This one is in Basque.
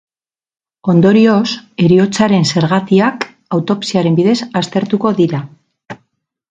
Ondorioz, heriotzaren zergatiak autopsiaren bidez aztertuko dira.